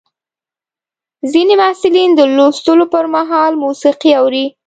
ځینې محصلین د لوستلو پر مهال موسیقي اوري.